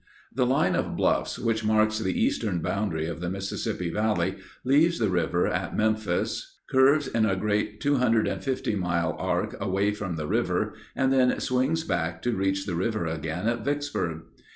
The line of bluffs which marks the eastern boundary of the Mississippi Valley leaves the river at Memphis, curves in a great 250 mile arc away from the river, and then swings back to reach the river again at Vicksburg.